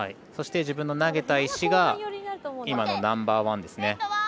そして自分の投げた石が今のナンバーワンですね。